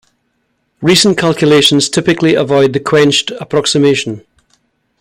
Recent calculations typically avoid the quenched approximation.